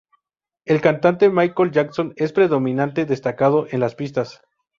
El cantante Michael Jackson es predominantemente destacado en las pistas.